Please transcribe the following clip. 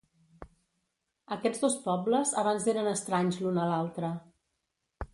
Aquests dos pobles abans eren estranys l'un a l'altre.